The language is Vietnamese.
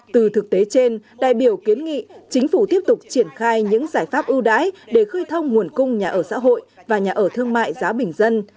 từ thực tế trên đại biểu kiến nghị chính phủ tiếp tục triển khai những giải pháp ưu đãi để khơi thông nguồn cung nhà ở xã hội và nhà ở thương mại giá bình dân